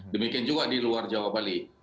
demikian juga di luar jawa bali